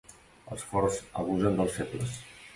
Els forts abusen dels febles.